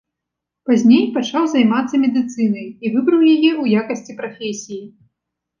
Пазней пачаў займацца медыцынай і выбраў яе ў якасці прафесіі.